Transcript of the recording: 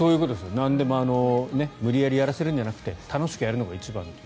なんでも無理やりやらせるんじゃなくて楽しくやるのが一番。